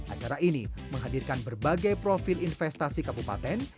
acara ini menghadirkan berbagai profil investasi kabupaten